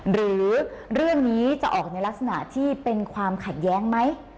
หรือเรื่องนี้จะออกในลักษณะที่เป็นความขัดแย้งไหม